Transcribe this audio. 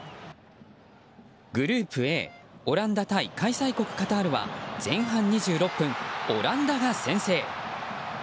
オランダ対開催国カタールは前半２６分、オランダが先制。